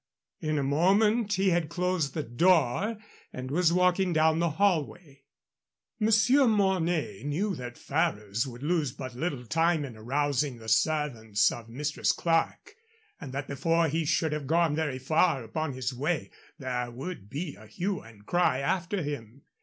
In a moment he had closed the door and was walking down the hallway. Monsieur Mornay knew that Ferrers would lose but little time in arousing the servants of Mistress Clerke, and that before he should have gone very far upon his way there would be a hue and cry after him.